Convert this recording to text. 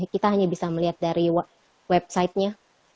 kita hanya bisa melihat dari websitenya